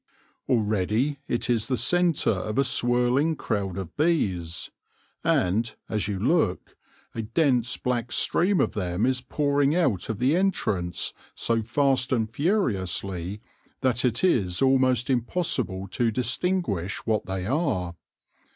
Already it is the centre of a swirling crowd of bees, and, as you look, a dense black stream of them is pouring out of the entrance so fast and furiously that it is almost impossible to distinguish what they are.